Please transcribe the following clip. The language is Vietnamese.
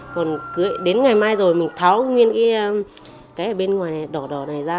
còn cưới đến ngày mai rồi mình tháo nguyên cái cái ở bên ngoài này đỏ đỏ này ra